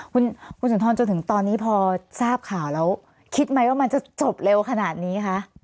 คุณสุนทรจนถึงตอนนี้พอทราบข่าวแล้วคิดไหมว่ามันจะจบเร็วขนาดนี้คะ